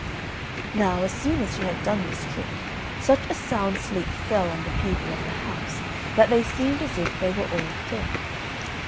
Now, as soon as she had done this trick, such a sound sleep fell on the people of the house that they seemed as if they all were dead.